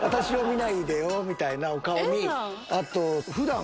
みたいなお顔に。